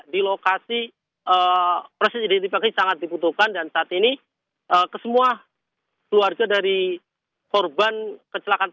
di lokasi proses identifikasi sangat dibutuhkan dan saat ini kesemua keluarga dari korban kecelakaan